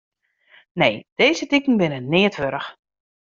Nee, dizze diken binne neat wurdich.